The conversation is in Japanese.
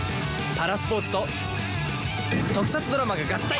パラスポーツと特撮ドラマが合体！